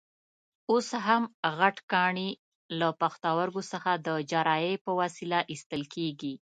اوس هم غټ کاڼي له پښتورګو څخه د جراحۍ په وسیله ایستل کېږي.